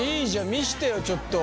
見してよちょっと。